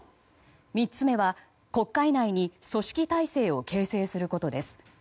３つ目は、国会内に組織体制を形成することです。